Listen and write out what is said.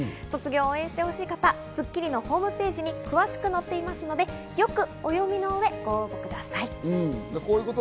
卒業を応援してほしい方、『スッキリ』のホームページに詳しく載っていますので、よくお読みの上、ご応募ください。